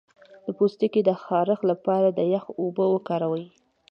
د پوستکي د خارښ لپاره د یخ اوبه وکاروئ